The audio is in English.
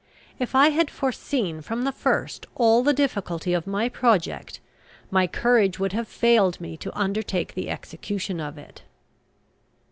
If I had foreseen from the first all the difficulty of my project, my courage would have failed me to undertake the execution of it.